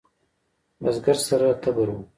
بزگر سره تبر و.